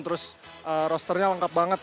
terus rosternya lengkap banget